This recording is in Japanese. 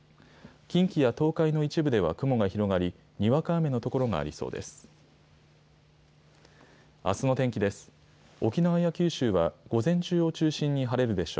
近畿や東海の一部では雲が広がり、にわか雨の所がありそうです。